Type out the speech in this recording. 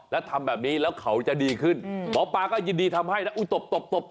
แล้วทำแบบนี้แล้วเขาจะดีขึ้นหมอปลาก็ยินดีทำให้นะอุ๊ตบตบตบ